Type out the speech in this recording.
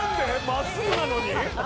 真っすぐなのに？